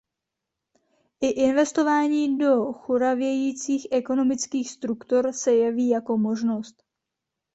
I investování do churavějících ekonomických struktur se jeví jako možnost.